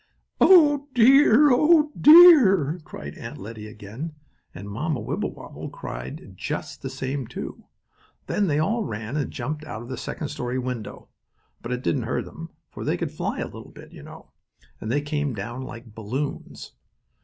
"Oh dear! Oh dear!" cried Aunt Lettie again. And Mamma Wibblewobble cried just the same, too. Then they all ran and jumped out of the second story window, but it didn't hurt them, for they could fly a little bit, you know, and they came down like balloons.